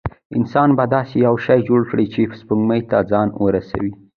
انسان به داسې یو شی جوړ کړي چې سپوږمۍ ته ځان ورسوي.